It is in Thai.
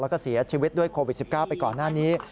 แล้วก็เสียชีวิตด้วยโควิด๑๙ไปก่อนหน้านี้